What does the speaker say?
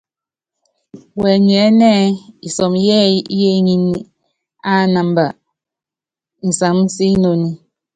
Wɛnyɛɛ́nɛ́ ɛ́ɛ́ isɔmɔ yɛ́ɛ́yí yééŋíní ánámba nsamɔ́síinoni.